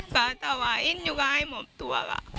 อยากให้มอบตัว